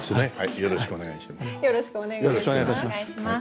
よろしくお願いします。